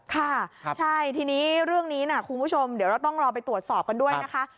ค่ะใช่ทีนี้เรื่องนี้นะคุณผู้ชมเดี๋ยวเราต้องรอไปตรวจสอบกันด้วยนะคะ